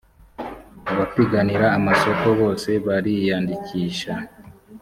abapiganira amasoko bose bariyandikisha.